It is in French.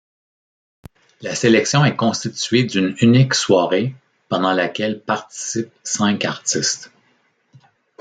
La sélection est constituée d'une unique soirée, pendant laquelle participent cinq artistes.